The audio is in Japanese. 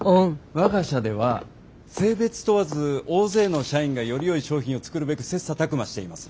我が社では性別問わず大勢の社員がよりよい商品を作るべく切磋琢磨しています。